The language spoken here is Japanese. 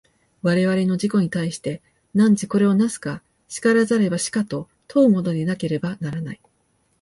我々の自己に対して、汝これを為すか然らざれば死かと問うものでなければならない。